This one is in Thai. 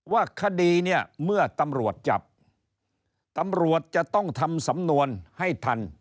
ว่าคดีเนี่ยเมื่อตำรวจจับตำรวจจะต้องทำสำนวนให้ทัน